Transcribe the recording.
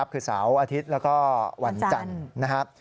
คือเสาร์อาทิตย์แล้วก็วันจันทร์นะครับ